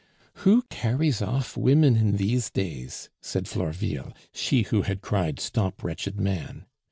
"Who carries off women in these days" said Florville (she who had cried, "Stop, wretched man!").